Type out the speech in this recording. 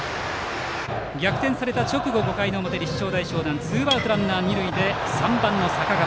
逆転された直後５回の表ツーアウトランナー、二塁で３番の坂川。